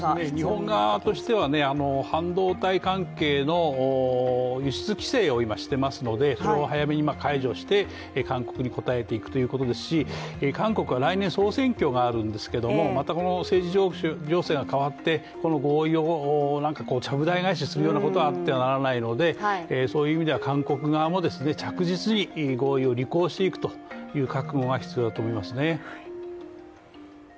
日本側としては、半導体関係の輸出規制を今していますのでそれを早めに解除して韓国に応えていくということですし、韓国は来年、総選挙があるんですけどもまたこの政治情勢が変わって合意をちゃぶ台返しすることがあってはならないので、韓国側も着実に合意を履行していく覚悟が必要だと思います。